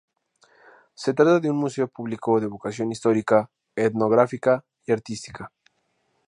Se trata de un museo público de vocación histórica, etnográfica y artística.